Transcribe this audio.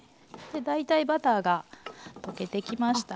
大体バターが溶けてきましたら。